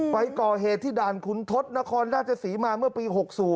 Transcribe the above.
ไปก่อเหตุที่ด่านขุนทศนครราชศรีมาเมื่อปี๖๐